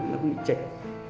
nó không bị chạy